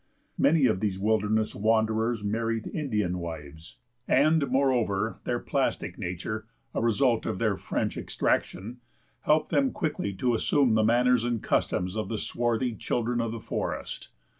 Many of these wilderness wanderers married Indian wives, and, moreover, their plastic nature, a result of their French extraction, helped them quickly to assume the manners and customs of the swarthy children of the forest.